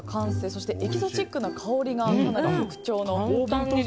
そしてエキゾチックな香りが特徴。